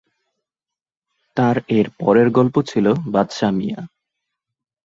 তার এর পরের গল্প ছিল 'বাদশা মিঞা'।